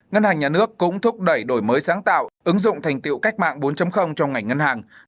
ngân hàng nhà nước cũng thúc đẩy đổi mới sáng tạo ứng dụng thành tiệu cách mạng bốn trong ngành ngân hàng